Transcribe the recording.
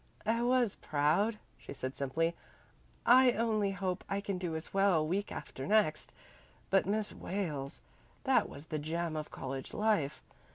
"I was proud," she said simply. "I only hope I can do as well week after next. But Miss Wales, that was the jam of college life.